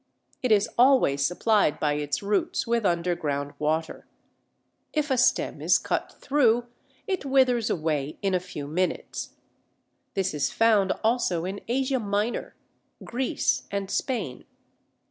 It is always supplied by its roots with underground water. If a stem is cut through it withers away in a few minutes. This is found also in Asia Minor, Greece, and Spain.